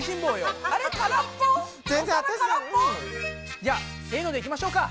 じゃあせのでいきましょうか。